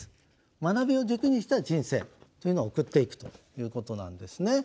学びを軸にした人生というのを送っていくということなんですね。